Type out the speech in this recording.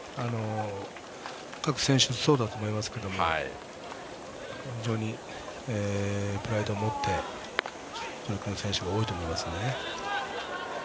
各選手はそうだと思いますけど非常にプライドを持って戦っている選手が多いと思います。